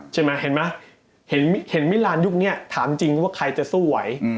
ใช่มั้ยเห็นมั้ยเห็นมิลลานยุคเนี่ยถามจริงว่าใครจะสู้ไหว